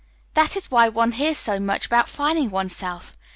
That is why one hears so much about finding one's self.